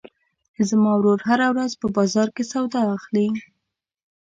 زما ورور هره ورځ په بازار کې سودا اخلي.